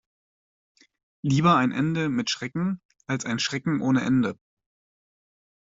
Lieber ein Ende mit Schrecken als ein Schrecken ohne Ende.